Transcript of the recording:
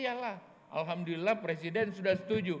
iya lah alhamdulillah presiden sudah setuju